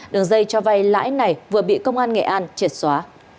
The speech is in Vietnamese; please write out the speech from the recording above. đường dây cho vay lãi này vừa bị công an nghệ an triệt xóa